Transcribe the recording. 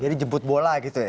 jadi jemput bola gitu ya